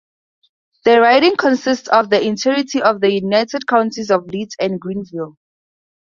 The riding consists of the entirety of the United Counties of Leeds and Grenville.